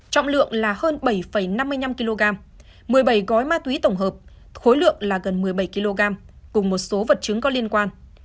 trọng lượng là hơn bảy năm mươi năm kg một mươi bảy gói ma túy tổng hợp khối lượng là gần một mươi bảy kg cùng một số vật chứng có liên quan